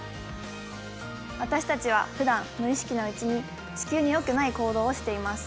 私たちはふだん無意識のうちに地球によくない行動をしています。